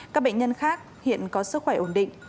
các bệnh nhân khác hiện có sức khỏe ổn định